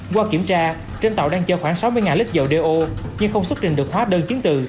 qua kiểm tra trên tàu đang chờ khoảng sáu mươi lít dầu đeo ô nhưng không xuất trình được hóa đơn chiến từ